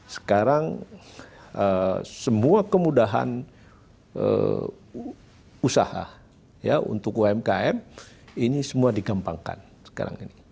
sekarang semua kemudahan usaha untuk umkm ini semua digampangkan sekarang ini